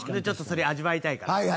ちょっとそれ味わいたいから。